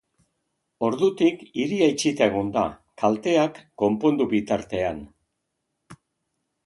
Ordutik, hiria itxita egon da, kalteak konpondu bitarteak.